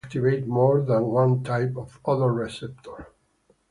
Furthermore, most odors activate more than one type of odor receptor.